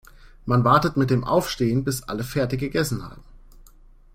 Man wartet mit dem Aufstehen, bis alle fertig gegessen haben.